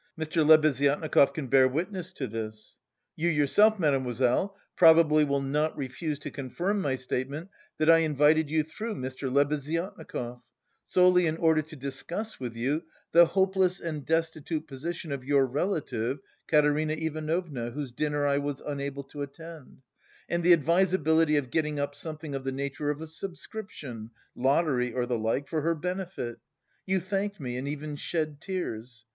Mr. Lebeziatnikov can bear witness to this. You yourself, mademoiselle, probably will not refuse to confirm my statement that I invited you through Mr. Lebeziatnikov, solely in order to discuss with you the hopeless and destitute position of your relative, Katerina Ivanovna (whose dinner I was unable to attend), and the advisability of getting up something of the nature of a subscription, lottery or the like, for her benefit. You thanked me and even shed tears.